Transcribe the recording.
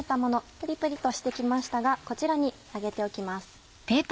プリプリとして来ましたがこちらに上げておきます。